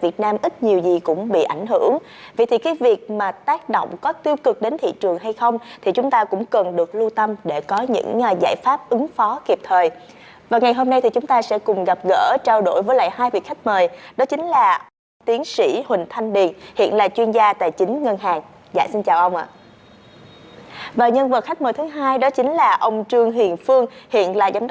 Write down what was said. các bạn hãy đăng ký kênh để ủng hộ kênh của chúng mình nhé